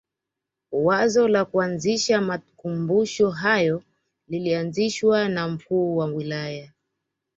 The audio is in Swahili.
Wazo la kuanzisha makumbusho hayo lilianzishwa na mkuu wa wilaya